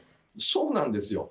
そうなんですよ。